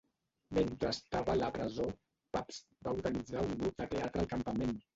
Mentre estava a la presó, Pabst va organitzar un grup de teatre al campament.